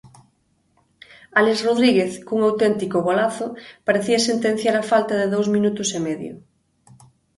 Álex Rodríguez, cun auténtico golazo, parecía sentenciar a falta de dous minutos e medio.